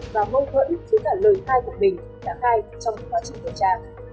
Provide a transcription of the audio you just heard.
và mâu thuẫn với cả lời khai cuộc bình đã khai trong khóa trình của cha